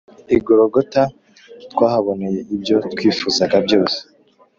igorogota twahaboneye ibyo twifuzaga byose